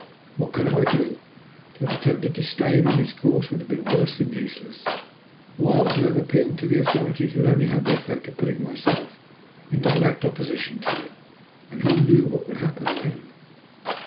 What could I do? To have attempted to stay him in his course would have been worse than useless, while to have appealed to the Authorities would only have had the effect of putting myself in direct opposition to him, and who knew what would happen then?